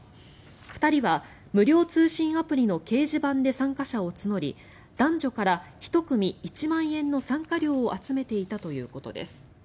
２人は無料通信アプリの掲示板で参加者を募り男女から１組１万円の参加料を集めていたということです。